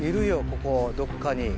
ここどっかに。